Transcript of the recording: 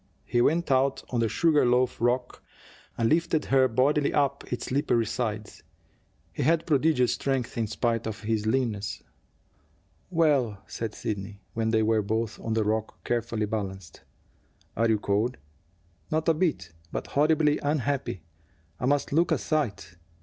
He went out on the sugar loaf rock, and lifted her bodily up its slippery sides. He had prodigious strength, in spite of his leanness. "Well!" said Sidney, when they were both on the rock, carefully balanced. "Are you cold?" "Not a bit. But horribly unhappy. I must look a sight."